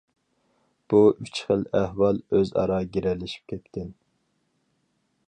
بۇ ئۈچ خىل ئەھۋال ئۆز ئارا گىرەلىشىپ كەتكەن.